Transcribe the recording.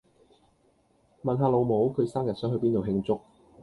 問下老母，佢生日想去邊度慶祝